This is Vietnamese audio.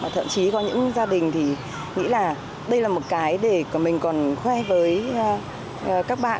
thậm chí có những gia đình thì nghĩ là đây là một cái để của mình còn khoe với các bạn